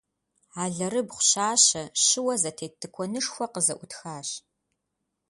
Алэрыбгъу щащэ, щыуэ зэтет тыкуэнышхуэ къызэӏутхащ.